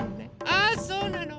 あそうなの。